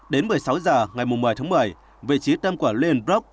đến một mươi sáu giờ ngày một mươi một mươi vị trí tâm của lienbrock